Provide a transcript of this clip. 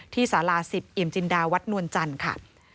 สารา๑๐เอี่ยมจินดาวัดนวลจันทร์ค่ะ